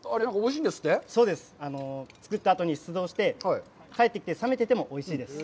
作ったあとに出動して、帰ってきて、さめててもおいしいです。